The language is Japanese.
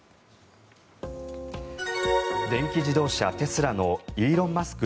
電気自動車テスラのイーロン・マスク